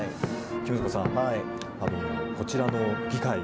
君塚さん、こちらの議会。